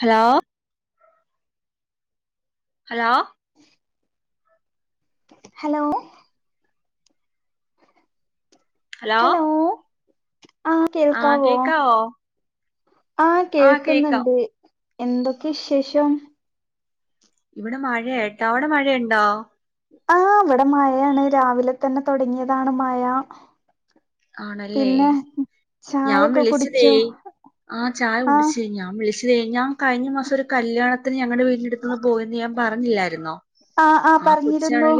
Hello? Hello? Hello? Hello ആ ആഹ് കേക്കാവോ? ആഹ് ആ കേക്കാം കേൾക്കുന്നുണ്ട്. എന്തൊക്കെ വിശേഷം? ഇവിടെ മഴട്ടാ അവിടെ മഴയണ്ടോ? ആ വിടെ മഴയാണ് രാവിലെ തന്നെ തുടങ്ങിയതാണ് മഴ. ആണല്ലേ. പിന്നെ ഞാൻ ചായൊക്കെ വിളിച്ചതേ കുടിച്ചോ ആ ചായ ആ കുടിച്ച ഞാൻ വിളിച്ച തേ ഞാൻ കഴിഞ്ഞ മാസം ഒരു കല്യാണത്തിന് ഞങ്ങളുടെ വീട്ടിനടുന്ന് പോയ എ ഞാൻ പറഞ്ഞില്ലായിരുന്നോ? ആഹ് ആഹ് പറഞ്ഞിരുന്നു.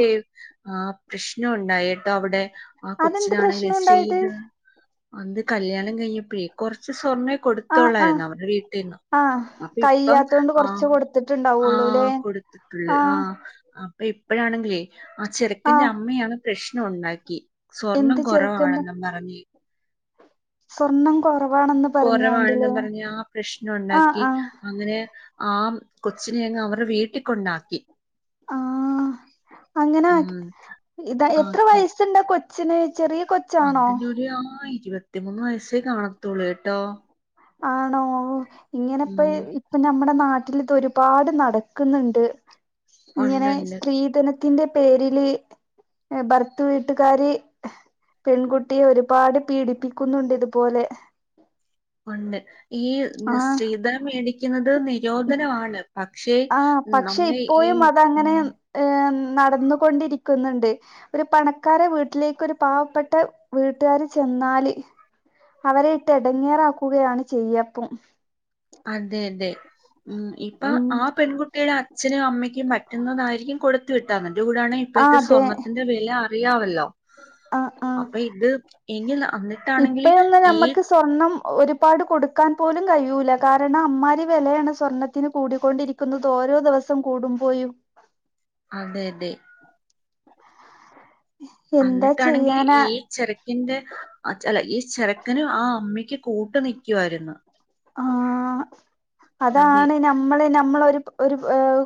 ആഹ് പ്രശ്നം ഉണ്ടായിട്ടോ അവിടെ ആ അതെന്ത് കൊച്ചിനാണെങ്കി പ്രശ്നം ഉണ്ടായത് ശീദ് അന്ത് കല്യാണം കഴിഞ്ഞപ്പഴേ കൊറച്ച് സ്വർണ്ണേ ആ ആ കൊടുത്തോള്ളായിരുന്നു അവടെ വീട്ടിൽന്ന് ആ അപ്പൊ ഇപ്പം കഴിയാത്തോണ്ട് ആ കൊറച്ച് ആ കൊടുത്തിട്ടുണ്ടാവുള്ളൂല്ലേ കൊടുത്തിട്ടുള്ള ആ ആഹ് അപ്പൊ ഇപ്പോഴാണെങ്കിലേ ആ ചെറ്ക്കന്റെ അമ്മയാണ് പ്രശ്നം ഉണ്ടാക്കി സ്വർണ്ണം കൊ ആണെന്നും പറഞ്ഞ് സ്വർണ കൊറ കുറവാണെന്നും പറഞ്ഞഞ് ആ പ്രശ്നം ആ ഉണ്ടാക്കി ആ അങ്ങനെ ആ കൊച്ചിനെങ്ങ് അവരുടെ വീട്ടി കൊണ്ടാക്കി. ആ അങ്ങനെ ഉം ഇതാ എത്ര ആക്കി വയസുണ്ട് കൊ ച്ചിണ് ചെറിയ കൊച്ചാണോ? അതിനൊരു ആ ഇരുപത്തിമൂന്ന് വയസ്സേ കാണത്തുള്ളൂ ട്ടോ ആണോ ഇങ്ങനെപ്പ ഇപ്പ നമ്മ നമ്മുടെ നാട്ടിൽ ഇത് ഒരുപാട് നടക്കുന്നുണ്ട് ഇങ്ങനെ ഉണ്ടുണ്ട് സ്ത്രീധന ത്തിന്റെ പേരില് ഭർത് വീട്ടുകാാര് പെൺകുട്ടിയെ ഒരുപാട് പീഡിപ്പിക്കുന്നുണ്ട് ഇതുപോലെ ഒണ്ട് ഈ ആഹ് ശ്രീത മേടി- ക്ക്ന്ന ത് നിരോധനവാണ് പക്ഷെ ആഹ് പക്ഷെ നമ്മെ ഈ ഇപ്പോഴും അതങ്ങനെ ഉം ഏഹ് നടന്നുകൊണ്ടിരിക്കുന്നുണ്ട് ഒരു പണക്കാരെ വീട്ടിലേക്ക് ഒരു പാവപ്പെട്ട വീട്ടുകാാര് ചെന്നാല് അവരെ ഇട്ട് ഇടങ്ങേറാക്കുകയാണ് ചെയ്യപ്പം അതെ അതെ ഉം ഇപ്പൊ ഉം ആ പെൺകുട്ടിടെ അച്ഛനും അമ്മക്കും പറ്റുന്നതാരിക്കും കൊടുത്തു വിട്ട അതിന്റെ കൂടാണേ ആഹ് ഇപ്പത്തെ അതെ സ്വർണത്തിന്റെ വില അറിയാവല്ലോ ആഹ് ആഹ് അപ്പൊ ഇത് എങ്കിൽ അന്നിട്ടാണെങ്കില് ഇപ്പഴൊന്നും ഈ നമ്മക്ക് സ്വർണം ഒരുപാട് കൊടുക്കാൻ പോലും കഴിയൂല്ല കാരണം അമ്മാര് വെലയാണ് സ്വർണ്ണത്തിന് കൂടിക്കൊണ്ടിരിക്കുന്നത് ഓരോ ദിവസം കൂടുമ്പോയും അതെ തെ എന്താ വന്നിട്ടാണെങ്കിൽ ചെയ്യാനാ ഈ ചിരക്കിന്റെ അല്ല ഈ ചിരക്കനും ആ അമ്മയ്ക്ക് കൂട്ട് നക്കുയിരുന്നു ആ അതെ അതാണ് നമ്മളെ നമ്മളൊരു ഒരു ഏർ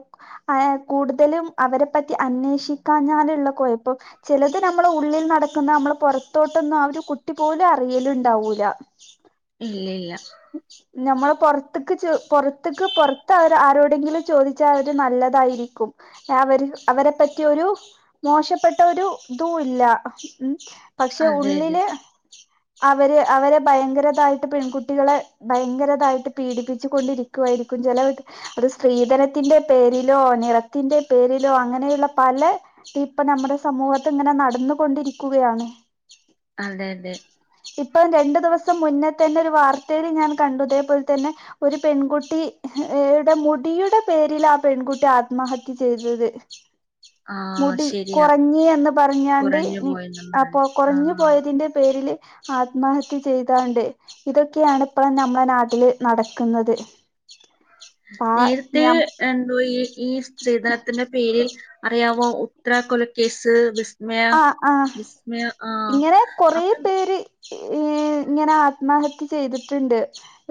ആ കൂടുതലും അവരെ പറ്റി അന്വേഷിക്കാഞ്ഞാലുള്ള കുഴപ്പം ചിലത് നമ്മള ഉള്ളിൽ നടക്കുന്ന നമ്മള് പുറത്തോട്ടൊന്നും ആ ഒരു കുട്ടി പോലും അറിയലുണ്ടാവൂല ഇല്ല ഇല്ല നമ്മൾ പുറത്തക്ക് പുറത്തേക്ക് പുറത്ത് അവർ ആരോടെങ്കിലും ചോദിച്ചാൽ അവര് നല്ലതായിരിക്കും അവർ അവരെ പറ്റിയൊരു മോശപ്പെട്ട ഒരു ഇതും ഇല്ല ഉം പക്ഷെ അതെ അതെ ഉള്ളില് അവര് അവര് ഭയങ്കരതായിട്ട് പെൺകുട്ടികളെ ഭയങ്കരതായിട്ട് പീഡിപ്പിച്ചു കൊണ്ടിരിക്കുവായിരിക്കും, ചില അത് സ്ത്രീധനത്തിന്റെ പേരിലോ നിറത്തിന്റെ പേരിലോ അങ്ങനെയുള്ള പല ഇപ്പ നമ്മുടെ സമൂഹത്ത് ഇങ്ങനെ നടന്നുകൊണ്ടിരിക്കുകയാണ്. അതെ അതെ ഇപ്പം രണ്ടു ദിവസം മുന്നേ തന്നൊരു വാർത്തേല് ഞാൻ കണ്ടു തേ പോലെ തന്നെ ഒരു പെൺകുട്ടി ഏടെ മുടിയുടെ പേരിലാ പെൺകുട്ടി ആത്മഹത്യ ചെയ്തത്. ആഹ് മുടി ശരിയാ കുറഞ്ഞ് എന്ന് പറഞ്ഞാണ്ട് കുറഞ്ഞു പോയെന്നും അപ്പൊ പറഞ്ഞ് കുറഞ്ഞു ആഹ്. പോയതിന്റെ പേരില് ആത്മഹത്യ ചെയ്താണ്ട് ഇതൊക്കെയാണ് ഇപ്പള് നമ്മടെ നാട്ടില് നടക്കുന്നത്. ആ നേരത്തേ ഞം എന്തോ ഈ ഈ സ്ത്രീധനത്തിന്റെ പേരിൽ അറിയാവോ? ഉത്തരാ കൊല കേസ് മയ ആ ആഹ് വിസ്മയ ആ അപ്പം ഏ ഇങ്ങനെ ആത്മഹത്യ ചെയ്തിട്ടുണ്ട്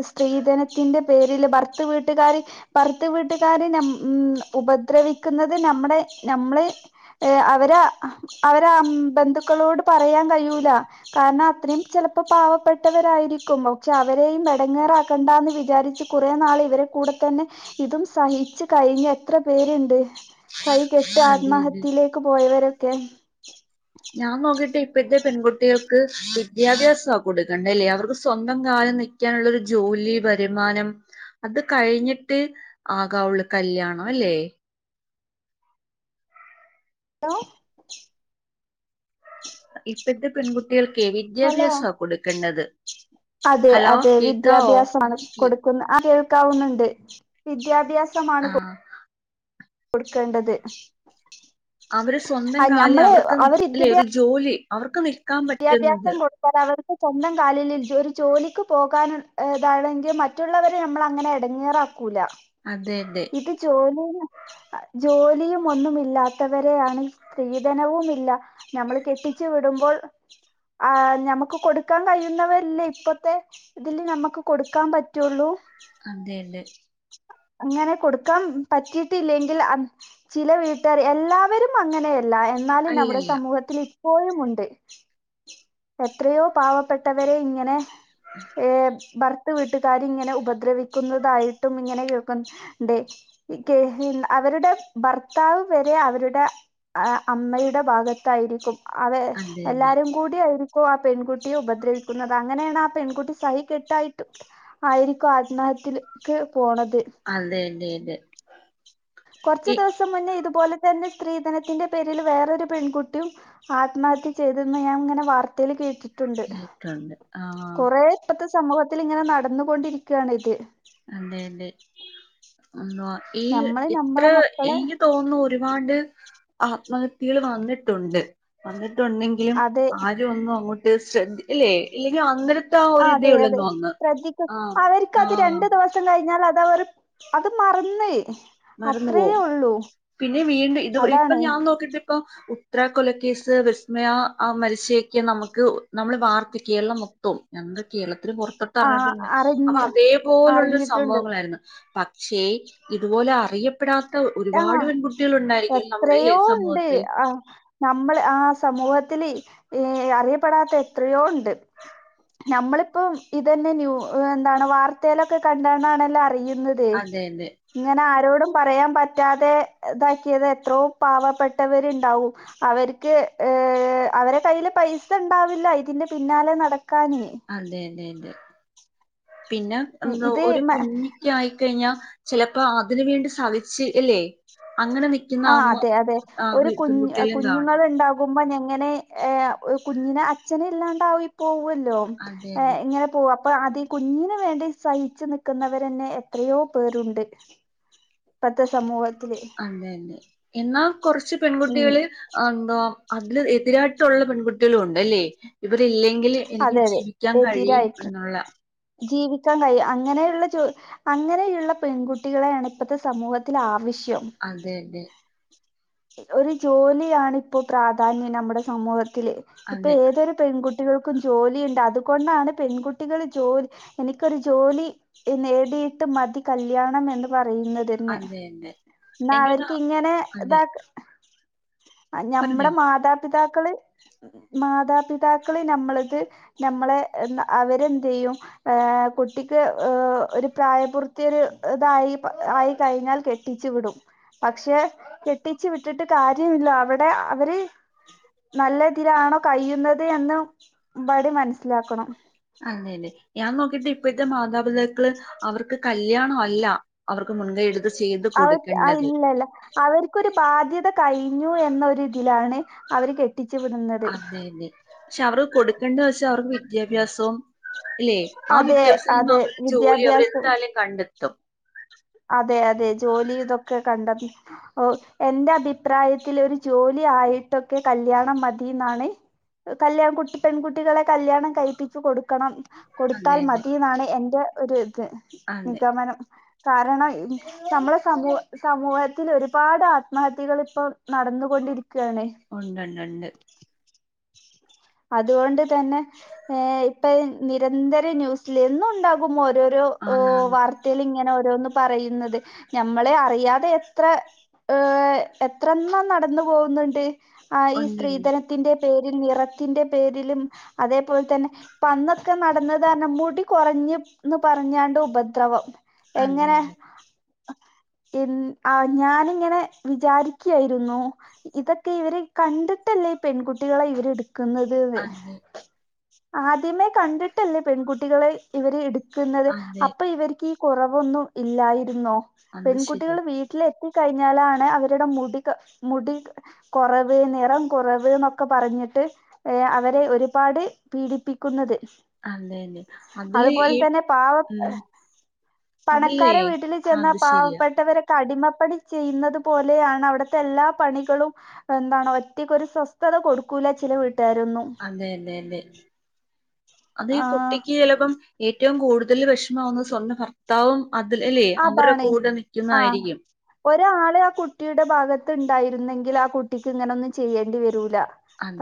സ്ത്രീധനത്തിന്റെ പേരില് ഭർത്രു വീട്ടുകാര് ഭർത്രു വീട്ടുകാര് ഉം ഉപദ്രവിക്കുന്നത് നമ്മടെ നമ്മളെ അവരെ അവരാ ഉം ബന്ധുക്കളോട് പറയാൻ കഴ്യൂല കാരണം അത്രയും ചെലപ്പോ പാവപ്പെട്ടവരായിരിക്കും പക്ഷെ അവരെയും എടങ്ങേറാക്കണ്ടാന്ന് വിചാരിച്ച് കുറെ നാള് ഇവരെ കൂടെ തന്നെ ഇതും സഹിച്ചു കഴിഞ്ഞ് എത്ര പേരുണ്ട്. സഹികെട്ട് അതെ അതെ ആത്മഹത്യയിലേക്ക് പോയവര്. ക്കെ. [inaudible] ഞാൻ നോക്കിട്ട് ഇപ്പഴത്തെ പെൺകുട്ടികൾക്ക് വിദ്യാഭ്യാസാ കൊടുക്കണ്ട അല്ലേ അവർക്ക് സ്വന്തം കാലിൽ നിൽക്കാനുള്ളൊരു ജോലി വരുമാനം അത് കഴിഞ്ഞിട്ട് ആകാവുള്ളു കല്യാണം അല്ലേ. ഹലോ ഇ പ്പഴത്തെ പെൺകുട് ട്ടികൾക്കേ ഹലോ വിദ്യാഭ്യാസാ കൊടുക്കണ്ടത് അതെ ഹലോ അതെ കേക്കാവോ എനിക്ക് കേ ട്ടാവുന്നുണ്ട് വിദ്യാഭ്യാസ് ആ കൊടുക്കേണ്ടത്. അവര് സ്വന്തം കാലിൽ നമ്മള് അവർക്ക് അവർ നിക്ക്യല്ലെ വിദ്യാഭ്യാ ഒരു ജോലി അവർക്ക് നിൽക്കാൻ പറ്റുന്നത് വിദ്യാഭ്യാസം കൊടുക്കാൻ അവർക്ക് - സ്വന്തം കാലിൽ ഒരു ജോലിക്ക് പോകാൻ ഇതാണെങ്കിൽ മറ്റുള്ളവരെ നമ്മൾ അങ്ങനെ ഇടങ്ങേറാക്ക ക്കൂല അതെ അതെ ഇത് ജോലില് ജോലിയും ഒന്നുമില്ലാത്തവരെയാണ്, സ്ത്രീധനവും ഇല്ല, നമ്മൾ കെട്ടിച്ചു വിടുമ്പോൾ ആ ഞമ്മക്ക് കൊടുക്കാൻ കഴിയുന്നവരില്ലേ ഇപ്പത്തെ ഇതില് നമ്മക്ക് കൊടുക്കാൻ പറ്റ്ള്ളൂ. അതെയതെ. അങ്ങനെ കൊടുക്കാൻ പറ്റിയിട്ടില്ലെങ്കിൽ അ ചില വീട്ടുകാര് എല്ലാവരും അങ്ങനെയ ല്ല, എന്നാലും നമ്മുടെ അല്ലല്ല സമൂഹത്തില് പ്പോഴുമുണ്ട്. എത്രയോ പാവപ്പെട്ടവരെ ഇങ്ങനെ ഏ ഭർ ത്ത് വീട്ടുകാര് ഇങ്ങനെ ഉപദ്രവിക്കുന്നതായിട്ടും ഇങ്ങനെ കേൾക്കുന്നുണ്ട്. ക്ക് അവരുടെ ഭർത്താവ് വരെ അവരുടെ അ അമ്മയുടെ ഭാഗത്തായിരിക്കും. അവ അതെ അതെ എല്ലാര് കൂടെ ആയിരിക്കോ ആ പെൺകുട്ടിയെ ഉപദ്രവിക്കുന്നത് അങ്ങനെയാണ് ആ പെൺകുട്ടി സഹി കെട്ടായിരിക്കും ആത്മഹത്യക്ക് പോണത് അതെ കുറച്ച് ഏ ദിവസം മുന്നേ ഇതും അതുപോലെ തന്നെ സ്ത്രീധനത്തിന്റെ പേരിൽ വേറൊരു പെൺകുട്ടിയും ആത്മഹത്യ ചെയ്തെന്ന് ഞാൻ ഇങ്ങനെ വാർത്തയിൽ കേട്ട് ആ ഇപ്പത്തെ സമൂഹത്തിൽ ഇങ്ങനെ നടന്നു കൊണ്ടിരിക്കാണ് ഇത് അതെ അതെ ആ ഈ നമ്മള് ഇത്ര നമ്മളെ മക്കളെ എനിക്ക് തോന്നുന്നു ഒരുപാട് ആത്മഹത്യയിൽ വന്നിട്ടുണ്ട് ട്ടുണ്ടെങ്കിലും അതെ ആരും ഒന്നും അങ്ങോട്ട് [unintelligible] ഇല്ലേ ഇനി അങ്ങനെ അതെ അതെ ശ്രദ്ധിക്ക് അവർക്ക് അത് ആ രണ്ടു ദിവ സം കഴിഞ്ഞാൽ അത് അവര് അത് മറന്ന് മറന്ന് അത്രയേ പോവും ഉള്ളൂ പിന്നെ വീണ്ടും ഇത് ഇപ്പൊ അതാണ് ഞാൻ നോക്കിട്ട് ഇപ്പൊ ഉത്ര കൊലക്കേസ് വിസ്മയ ആ മരിച്ചയോക്കെ നമക്ക് നമ്മൾ വാർത്ത കേരളം മൊത്തവും ആ [unintelligible] [unintelligible] അപ്പൊ അറിഞ്ഞ് അതേപോലുള്ള അറിഞ്ഞിട്ടുണ്ട് സംഭവങ്ങളായിരുന്നു ക്ഷേ ഇത് തുപൊലെ അറിയ ആ നമ്മുടെ ഈ എത്രയോ ഉണ്ട് സമൂഹത്തിൽ ആ നമ്മള് ആ സമൂഹത്തി ത്തില് അറിയപ്പെടാത്ത എത്രയോ ഉണ്ട് നമ്മളിപ്പം ഇതന്നെ ന്യു എന്താണ് വാർത്തെലൊക്കെ കണ്ടാണല്ലോ അറിയു ന്നത് അതെ അതെ ഇങ്ങനെ ആ രോടും പറയാൻ പറ്റാ റ്റാതെ ഇതാക്കിയത് എത്രോ പാവപ്പെട്ടവരുണ്ടാവും അവർക്ക് അവരെ കയ്ൽ പൈസ ഇണ്ടാവില്ല ഇതിന്റെ പിന്നാലെ നട അതെ അതെ അതെ പിന്നെ എന്താ ഇത് ഒരു മ കുഞ്ക്കാ ആയിക്കഴിഞ്ഞാ ചെലപ്പോ അതിന് വേണ്ടി സവിച്ച് അല്ലേ അങ്ങനെ നിൽക്കുന്ന ആ അമ്മ അതെ അതെ ആ ഒരു കുഞ് പെൺകുട്ടികളും കാണാം കുഞ്ഞുങ്ങള് ണ്ടാകു മ്പോ ഞങ്ങനെ കുഞ്ഞിനെ അച്ഛനില്ലാണ്ടയിപ്പൊവ് ല്ലോ അതെ അതെ ഇങ്ങനെ പോ പ്പൊ അതി കുഞ്ഞിന് വേണ്ടി സഹിച്ച് നിൽക്കുന്നവരന്നെ എത്രയോ പേരുണ്ട് ഇപ്പത്തെ സമൂഹ ത്തില് അതെ എന്നാ കുറച്ച് പെൺകുട്ടികള് എന്തോ അതില് എതിരാ ള്ള പെൺകുട്ടികളും ഉണ്ട്ല്ലേ അവരില്ലെങ്കില് എനിക്ക് അതെ അതെ ജീവിക്കാൻ കഴിയും എന്നുള്ള കാൻ കഴിം അങ്ങനെള്ള അങ്ങനെയുള്ള പെൺകുട്ടികളെയാണ് ഇപ്പത്തെ സമൂഹത്തിൽ ആവശ്യം അതെ അതെ ഒരു ജോലിയാണ് ഇപ്പോ പ്രാധാന്യം നമ്മുടെ സമൂ ത്തില് ഇപ്പോ അതെ ഏതൊരു പെൺകു ട്ടികൾക്കും ജോലി ഉണ്ട് അതുകൊണ്ടാണ് പെൺകുട്ടികൾ ജോലി എനിക്കൊരു ജോലി നേടിയിട്ട് മതി കല്യാണം എന്ന് പറ റയന്നന്നെ അതെ അതെ എന്ന എനിക്കത് അവർക്ക് ഇങ്ങനെ ഇത അതെ ആ ഞമ്മടെ പറഞ്ഞോ മാതാപിതാ- കള് മാതാപിതാ ക്കള് നമ്മളത് നമ്മളെ അവരെന്ത്യ്യും ഏ കുട്ടിക്ക് ഏ ഒരു പ്രായപൂർത്തിയ ഒരു ഇതായി ആയി കഴിഞ്ഞാൽ കെട്ടിച്ചു വിടും പക്ഷെ കെട്ടിച്ചു വിട്ടിട്ട് കാര്യമില്ല അവിടെ അവര് നല്ല ഇതിലാണോ കൈയുന്ന എന്നും ബെടിം മനസ്സിലാക്കണം ഇപ്പത്തെ മാതാപിതാക്കള് അവർക്ക് കല്യാണം അല്ല അവർക്ക് മുൻകൈ എടുത്ത് സ് അവർക്ക് ഇല്ല ഇല്ല അവർക്കൊരു ബാധ്യത കഴിഞ്ഞു എന്നൊരു ഇതിലാണ് അവർ കെട്ടിച്ചു വിടുന്നത് അതെ അതെ പക്ഷെ അവർ കൊടുക്കേണ്ട വെച്ചാ അവർക്ക് വിദ്യാഭ്യാസവും ഇല്ലെയ് ആ അതെ വിദ്യാഭ്യസ് [unintelligible] ൽ നിന്നു അതെ അവര് ജോലി അവര് വിദ്യാഭ്യാസം എന്തായാലും കണ്ടെത്തും അതെ അതെ ജോലി ഇതൊക്കെ കണ്ടത് ഓ എന്റെ അഭിപ്രായത്തില് ഒരു ജോലി ആയിട്ടൊക്കെ കല്യാണം മതി ന്നാണ് കല്യാ കുട്ടി പെൺകുട്ടികളെ കല്യാണം കഴിപ്പിച്ചു കൊടുക്കണം അതെ കൊടുത്താൽ അതെ മതിന്നാണ് എന്റെ ഒരു അതെ നിഗമനം കാരണം നമ്മളെ സമൂഹ സമൂഹത്തില് ഒരുപാട് ആത്മഹത്യകൾ ഇപ്പം നടന്നുകൊണ്ടിരിക് ഉണ്ട്ണ്ട് ഉണ്ട് അതുകൊണ്ട് തന്നെ ഏഹ് ഇപ്പെഴേ നിരന്തര ന്യൂസ് ല് എന്നും ഇണ്ടാകും ഓരോര് രു ആന്നാന്ന് വാർത്തേലിങ്ങനെ ന്ന് പറയുന്നത് ഞമ്മളെ അറിയാതെ എത്ര ഏഹ് എത്രണ്ണം നടന്നു പോകുന്നുണ്ട് ആഹ് ഈ ഒണ്ട്ണ്ട്. സ്ത്രീധനത്തിന്റെ പേരിൽ നിറ ത്തിന്റെ പേരിലും അതേപോലെ തന്നെ അന്നൊക്കെ നടന്നതന്ന മുടി കുറഞ്ന്ന് പറഞ്ഞാണ്ട് ഉപദ്രവം എങ്ങനെ അതെയതെ. എ ആ ഞാനിങ്ങനെ വിചാരിക്കയിരുന്നു ഇതൊക്കെ ഇവരെ കണ്ടിട്ടല്ലേ ഈ പെൺകുട്ടികളെ ഇവരെടു ക്കുന്നത് അതെ. ആദ്യമേ കണ്ടിട്ടല്ലേ പെൺകുട്ടികളെ ഇവര്ടു ക്കുന്നത് അതെ. അതെ അപ്പൊ ഇവരിക്കി കുറവൊന്നും ഇല്ലായിരുന്നോ അത് ശെരിയാ. പെൺകുട്ടികള് വീട്ടിലെ കുത്തി കഴിഞ്ഞാലാണ് അവരുടെ മുടി മുടി കുറവ് നിറം കുറവ് ന്നൊക്കെ പറഞ്ഞിട്ട് ഏ അവരെ ഒരുപാട് പീഡിപ്പിക്കുന്നത് അതെയതെ. അതില് അതുപോലെ ഈ തന്നെ പാവ ഉം അതിലേ പണക്കാരെ വീട്ടിൽ ചെന്ന അത് ശെരിയാ. പാവപ്പെട്ടവരെ അടിമപ്പണി ചെയ്യുന്നത് പോലെയാണ് അവിടുത്തെ എല്ലാ പണികളും എന്താണോ ഒറ്റയ്ക്കൊരു സ്വസ്ഥത കൊടുക്കൂല ചില വീട്ട അതെ അതെ അതെ അത് ആ കുട്ടിക്ക് ചിലപ്പം ഇ ഏറ്റവും കൂടുതല് വിഷമാവുന്നത് സ്വന്തം ഭർത്താവും അതിൽ അല്ലേ? അവരുടെ അതാണേ കൂടെ ആ നിക്കുന്നതായിരിക്കും. ഒരാളെ ആ കുട്ടിയുടെ ഭാഗത്ത് ഉണ്ടായിരുന്നെങ്കിൽ ആ കുട്ടിക്ക് ഇങ്ങനെ ഒന്നും ചെയ്യേണ്ടി വരൂല്ല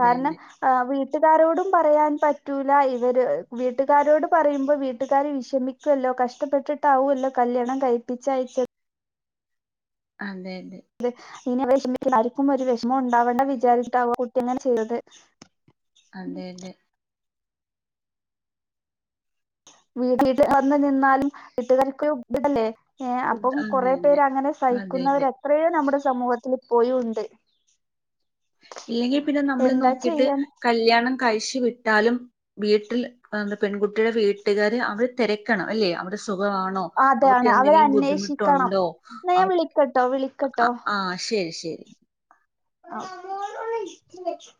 കാരണം ആ വി വീട്ടുകാരോടും പറയാൻ പറ്റൂല ഇവര് വീട്ടുകാരോട് പറയുമ്പോ വീട്ടുകാാര് വിഷമിക്കുമല്ലോ കഷ്ടപ്പെട്ടിട്ടാവുമല്ലോ കല്യാണം കഴിപ്പിച്ച അയച്ച അതെ [unintelligible] ഇനി വിഷമ ആർക്കും ഒരു വിഷമം ഉണ്ടാവേണ്ട വിചാരിച്ചട്ടാവോ കുട്ടി അങ്ങനെ ചെയ്തത് അതെതെ വീട്ടിൽ വന്ന് നിന്നാലും വീട്ടുകാർക്ക് [unintelligible] മുട്ടല്ലേ ഏ ഫുഡ് അപ്പം കൊറെ അതെയതെ. പേര് അങ്ങനെ അതെയതെ. സഹിക്കുന്നവർത്രയോ നമ്മുടെ സമൂഹത്തി ഇപോയും ഉണ്ട് ഇല്ലെങ്കിൽ പിന്നെ നമ്മള് എന്താ നോക്കിട്ട് ചെയ്യാൻ കല്യാണം കഴ്ച്ചു വി- ട്ടാലും വീട്ടിൽ പെൺകുട്ടിടെ വീട്ടുകാർ അവടെ തിരക്കണം അല്ലെ അവിടെ സു ഖവാണോ അവക്ക് അതാണ് എന്തെങ്കിലും അവരന്വേഷിക്കണം. ബുദ്ധിമുട്ടുണ്ടോ എന്നാ ഞാൻ വിളിക്കട്ടോ വിളിക്കട്ടോ. ആ ശരി ശരി ആ [unintelligible]